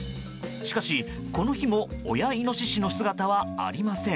しかし、この日も親イノシシの姿はありません。